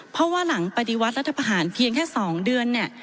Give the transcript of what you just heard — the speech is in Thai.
เพราะว่าหลังปฏิวัติรัฐประหารเพียงแค่๒เดือนเนี่ย